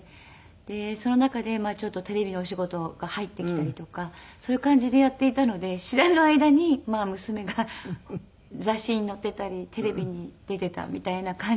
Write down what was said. その中でちょっとテレビのお仕事が入ってきたりとかそういう感じでやっていたので知らぬ間に娘が雑誌に載っていたりテレビに出ていたみたいな感じで。